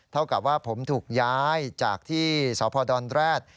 เท่ากับว่าผมถูกย้ายจากที่สพดแร็ด